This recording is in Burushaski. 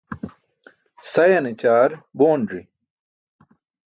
Sayane ćaar boonzi.